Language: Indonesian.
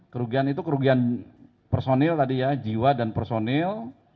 kerugian itu kerugian personil tadi ya jiwa dan personil